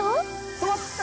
止まった！